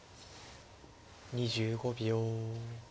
２５秒。